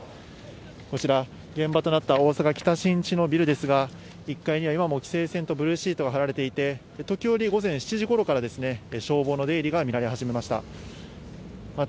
こちら、現場となった大阪・北新地のビルですが、１階には今も規制線とブルーシートが張られていて、時折、午前７時ごろから消防の出入りが見られ始めました。